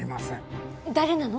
誰なの？